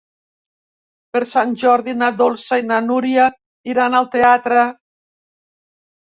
Per Sant Jordi na Dolça i na Núria iran al teatre.